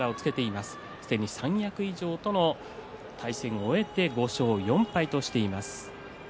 すでに三役以上との対戦を終えて５勝４敗としています。